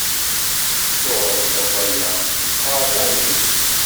Tuɣeḍ-d akk aya s tkarḍa-iw?